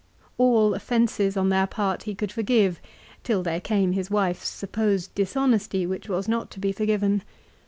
All offences on their part he could forgive, till there came his wife's supposed dishonesty which was not to be forgiven.